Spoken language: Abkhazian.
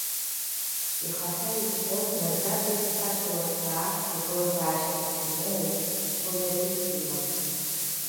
Ихаҭа изҳәоз наӡаӡа иԥсадгьыл ахь даартә ҭагылазаашьак ахьимоуз гәырҩа дус иман.